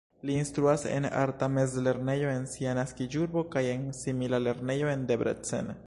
Li instruas en arta mezlernejo en sia naskiĝurbo kaj en simila lernejo en Debrecen.